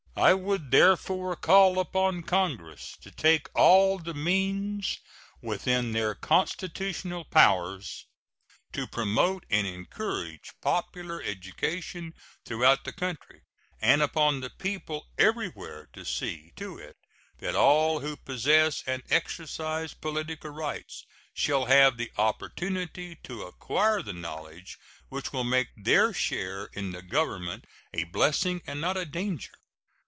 I would therefore call upon Congress to take all the means within their constitutional powers to promote and encourage popular education throughout the country, and upon the people everywhere to see to it that all who possess and exercise political rights shall have the opportunity to acquire the knowledge which will make their share in the Government a blessing and not a danger.